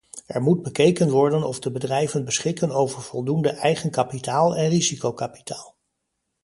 Er moet bekeken worden of de bedrijven beschikken over voldoende eigen kapitaal en risicokapitaal.